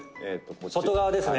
横尾：「外側ですね」